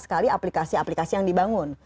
sekali aplikasi aplikasi yang dibangun